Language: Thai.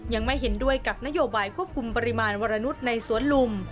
ยังไม่เห็นด้วยกับนโยบายควบคุมปริมาณวรนุษย์ในสวนลุม